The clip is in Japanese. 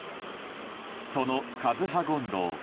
そのカズハゴンドウ。